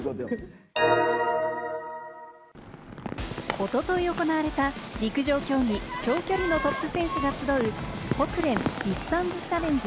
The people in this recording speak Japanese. おととい行われた陸上競技長距離のトップ選手が集うホクレン・ディスタンスチャレンジ